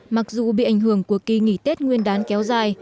mặc dù bị ảnh hưởng của kỳ nghỉ tết nguyên đán kéo dài